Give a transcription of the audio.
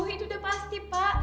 itu udah pasti pak